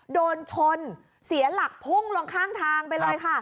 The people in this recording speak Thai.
โดนชนเสียหลักพุ่งลงข้างทางไปเลยค่ะ